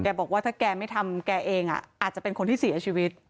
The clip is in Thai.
บอกว่าถ้าแกไม่ทำแกเองอาจจะเป็นคนที่เสียชีวิต